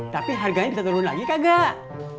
tapi harganya diturun lagi kagak